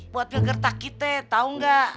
buat ngegertak kita tau gak